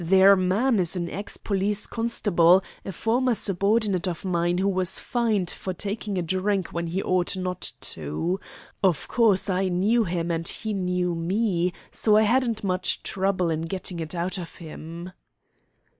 Their man is an ex police constable, a former subordinate of mine who was fined for taking a drink when he ought not to. Of course, I knew him and he knew me, so I hadn't much trouble in getting it out of him."